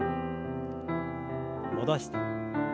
戻して。